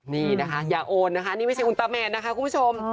นี่นะคะดังนั้นว่าอย่าโอนนี่ไม่ใช่อุตมานนะคะคุณผู้ชม